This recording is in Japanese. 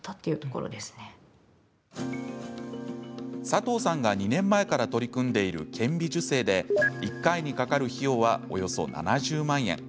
佐藤さんが、２年前から取り組んでいる顕微授精で１回にかかる費用はおよそ７０万円。